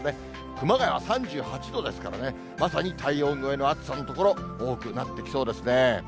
熊谷は３８度ですからね、まさに体温超えの暑さの所、多くなってきそうですね。